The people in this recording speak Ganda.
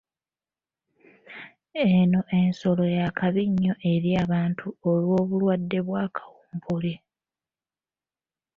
Eno ensolo ya kabi nnyo eri abantu olw'obulwadde bwa kawumpuli.